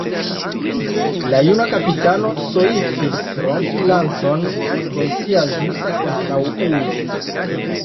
La juna kapitano soifis rompi lancon kun sia ĵusa kontraŭulo.